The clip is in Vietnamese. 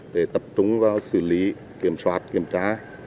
để tập trung vào xử lý kiểm soát kiểm tra